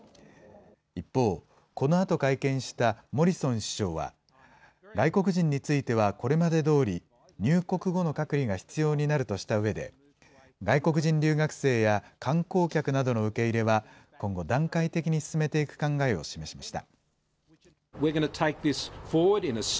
一方、このあと会見したモリソン首相は、外国人についてはこれまでどおり、入国後の隔離が必要になるとしたうえで、外国人留学生や観光客などの受け入れは、今後、段階的に進めていく考えを示しました。